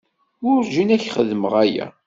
Werǧin ad k-xedmeɣ aya.